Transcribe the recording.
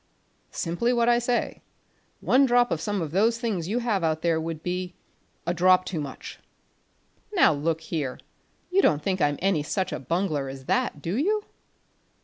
"Simply what I say. One drop of some of those things you have out there would be a drop too much." "Now, look here, you don't think I'm any such a bungler as that, do you?"